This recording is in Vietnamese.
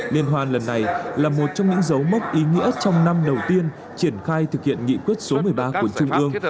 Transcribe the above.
liên hoan lần này là một trong những dấu mốc ý nghĩa trong năm đầu tiên triển khai thực hiện nghị quyết số một mươi ba của trung ương